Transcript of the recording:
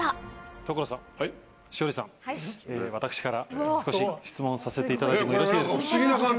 所さん、栞里さん、私から少し質問させていただいてもよろしいですか？